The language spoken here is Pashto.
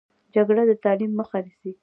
جګړه د تعلیم مخه نیسي